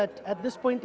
pada saat ini